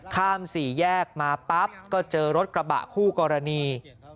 ข้ามสี่แยกมาปั๊บก็เจอรถกระบะคู่กรณี